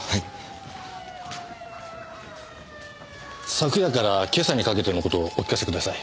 昨夜から今朝にかけての事お聞かせください。